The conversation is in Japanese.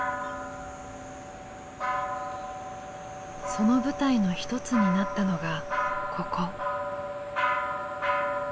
その舞台の一つになったのがここ。